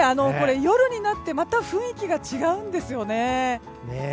夜になってまた雰囲気が違うんですよね。